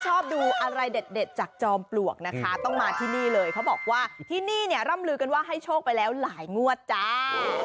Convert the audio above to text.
ชอบดูอะไรเด็ดจากจอมปลวกนะคะต้องมาที่นี่เลยเขาบอกว่าที่นี่เนี่ยร่ำลือกันว่าให้โชคไปแล้วหลายงวดจ้า